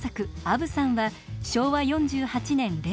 「あぶさん」は昭和４８年連載開始。